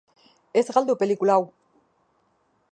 Ez galdu pelikula hau!